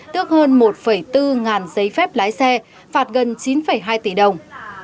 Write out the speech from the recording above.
tước hơn một bốn giấy phép lái xe phạt gần chín hai tỷ đồng